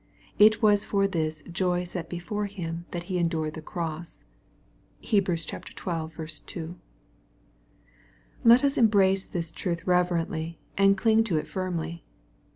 It was for this "joy set before Him that He endured the cross." (Heb. xii. 2.) Let us embrace this truth reverently, and cling to ii firmly.